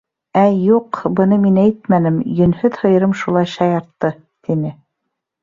— Ә юҡ, быны мин әйтмәнем, йөнһөҙ һыйырым шулай шаяртты, — тине.